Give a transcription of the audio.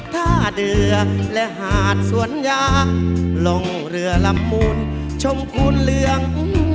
ท่าเรือและหาดสวนยางลงเรือลำมูลชมพูนเหลือง